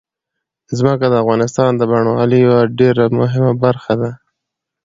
ځمکه د افغانستان د بڼوالۍ یوه ډېره مهمه برخه ده.